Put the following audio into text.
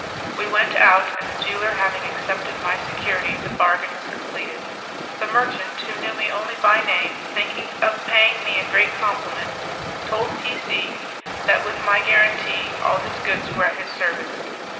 We went out, and the jeweller having accepted my security the bargain was completed. The merchant, who knew me only by name, thinking of paying me a great compliment, told P C that with my guarantee all his goods were at his service.